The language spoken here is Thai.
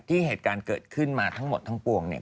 เหตุการณ์เกิดขึ้นมาทั้งหมดทั้งปวงเนี่ย